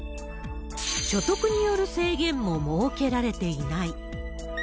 所得による制限も設けられていない。